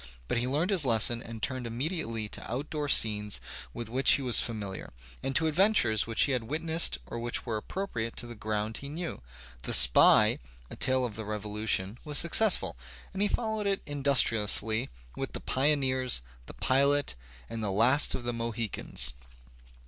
But he learned his lesson and turned immedi ately to outdoor scenes with which he was familiar, and to adventures which he had witnessed or which were appro priate to the ground he knew. "The Spy," a tale of the Revolution, was successful, and he followed it industri ously with "The Pioneers," "The Pilot," "The Last of the Mohicans."